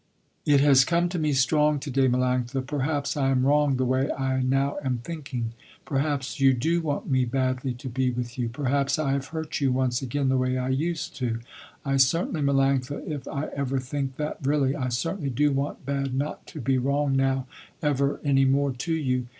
"It has come to me strong to day Melanctha, perhaps I am wrong the way I now am thinking. Perhaps you do want me badly to be with you. Perhaps I have hurt you once again the way I used to. I certainly Melanctha, if I ever think that really, I certainly do want bad not to be wrong now ever any more to you.